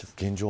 現状